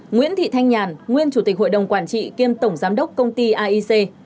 nguyễn thị thanh nhàn nguyên chủ tịch hội đồng quản trị kiêm tổng giám đốc công ty aic